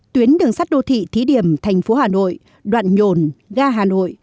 tuyến đường sắt đô thị thí điểm thành phố hà nội đoạn nhồn ga hà nội